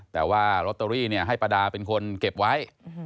แต่ว่าลอตเตอรี่ให้ประดาเป็นคนเก็บไว้